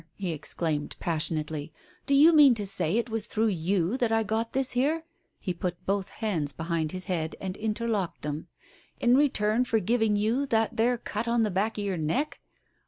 he exclaimed passionately, "do you mean to say it was through you that I got this here" — he put both hands behind his head and inter locked them, " in return for giving you that there cut at the back of your neck